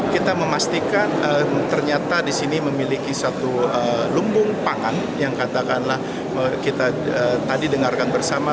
kita memastikan ternyata di sini memiliki satu lumbung pangan yang katakanlah kita tadi dengarkan bersama